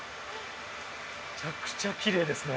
めちゃくちゃきれいですね。